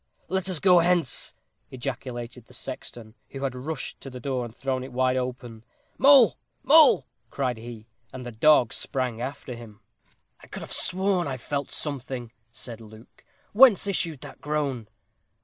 "Let us go hence," ejaculated the sexton, who had rushed to the door, and thrown it wide open. "Mole! Mole!" cried he, and the dog sprang after him. "I could have sworn I felt something," said Luke; "whence issued that groan?"